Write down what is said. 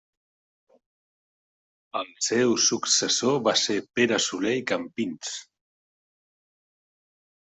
El seu successor va ser Pere Soler i Campins.